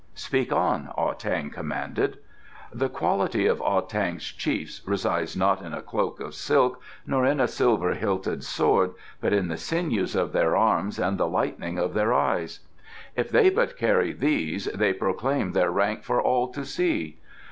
"Speak on," Ah tang commanded. "The quality of Ah tang's chiefs resides not in a cloak of silk nor in a silver hilted sword, but in the sinews of their arms and the lightning of their eyes. If they but carry these they proclaim their rank for all to see.